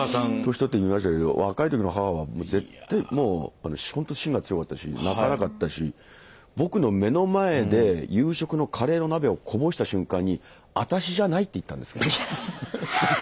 年取って見ましたけど若い時の母はもう絶対ほんと芯が強かったし泣かなかったし僕の目の前で夕食のカレーの鍋をこぼした瞬間に「あたしじゃない！」って言ったんです。